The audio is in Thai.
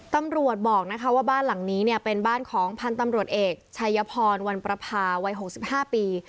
ตำรวจบอกนะคะว่าบ้านหลังนี้เนี่ยเป็นบ้านของพันธ์ตำรวจเอกชัยพรวันประพาวัย๖๕ปี